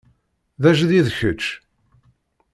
D ajdid kečč?